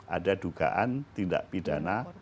ada dugaan tindak pidana